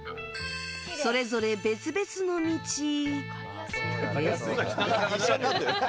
それぞれ、別々の道へ？